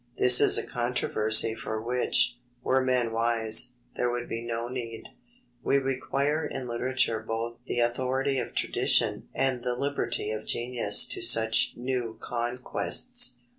This is a controversy for which, were men wise, there would be no need. We require in literature both the authority of tradition and the liberty of genius to such new conquests.